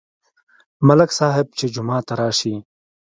ملک صاحب چې جومات ته راشي،